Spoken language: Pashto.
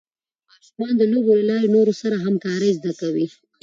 ماشومان د لوبو له لارې د نورو سره همکارۍ زده کوي.